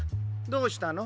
どうしたの？